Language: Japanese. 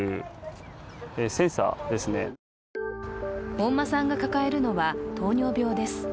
本間さんが抱えるのは糖尿病です。